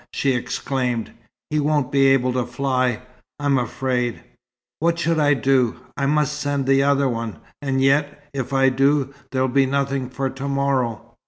she exclaimed. "He won't be able to fly, I'm afraid. What shall I do? I must send the other one. And yet if I do, there'll be nothing for to morrow."